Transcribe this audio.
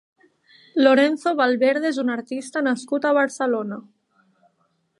Lorenzo Valverde és un artista nascut a Barcelona.